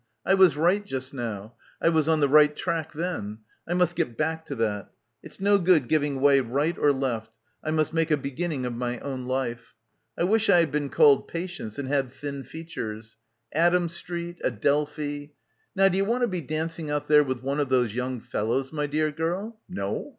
I was right just now. I was on the right track then. I must get back to that. It's no good giving way right or left; I must make a beginning of my own life. I wish I had been called "Patience" and had thin features. ... Adam Street, Adelphi. ... "Now do you want to be dancing out there with one of those young fellows, my dear girl — No?